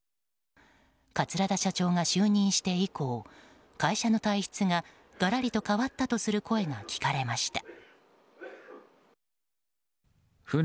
桂田社長が就任して以降会社の体質ががらりと変わったとする声が聞かれました。